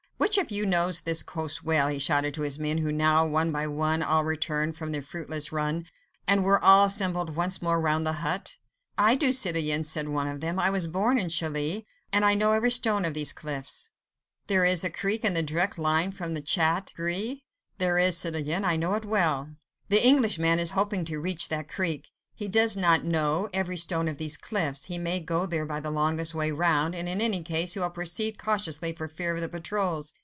"Which of you knows this coast well?" he shouted to his men who now one by one had all returned from their fruitless run, and were all assembled once more round the hut. "I do, citoyen," said one of them, "I was born in Calais, and know every stone of these cliffs." "There is a creek in a direct line from the 'Chat Gris'?" "There is, citoyen. I know it well." "The Englishman is hoping to reach that creek. He does not know every stone of these cliffs, he may go there by the longest way round, and in any case he will proceed cautiously for fear of the patrols.